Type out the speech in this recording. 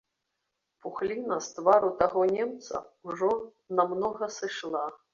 Пухліна з твару таго немца ўжо намнога сышла.